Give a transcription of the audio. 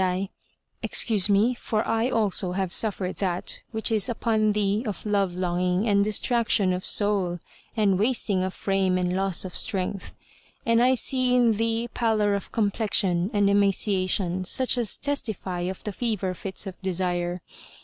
Said I, "Excuse me, for I also have suffered that which is upon thee of love longing and distraction of soul and wasting of frame and loss of strength; and I see in thee pallor of complexion and emaciation, such as testify of the fever fits of desire.